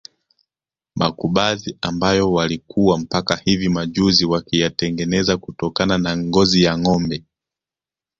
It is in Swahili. Makubazi ambayo walikuwa mpaka hivi majuzi wakiyatengeneza kutokana na ngozi ya ngombe